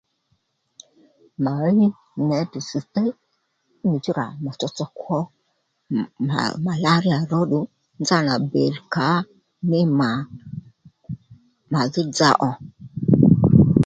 Mà ɦíy nětì ss̀téy fúnì chú rà mà tsotso kwo mà màláríyà róddù nzánà bèr kǎ ní mà màdhí dza ò